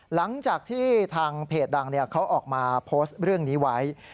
หลังจากที่ทางเพจดังเขาออกมาโพสต์เรื่องนี้ไว้